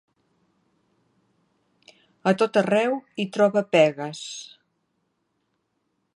A tot arreu hi troba pegues.